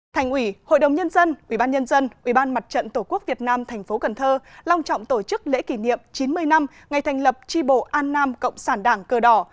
thành ủy hội đồng nhân dân ubnd ubnd tổ quốc việt nam tp cnh long trọng tổ chức lễ kỷ niệm chín mươi năm ngày thành lập tri bộ an nam cộng sản đảng cờ đỏ